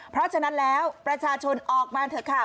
เพราะฉะนั้นแล้วประชาชนออกมาเถอะค่ะ